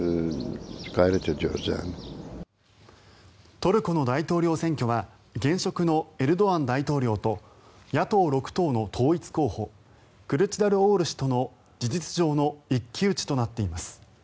トルコの大統領選挙は現職のエルドアン大統領と野党６党の統一候補クルチダルオール氏との事実上の一騎打ちとなっています。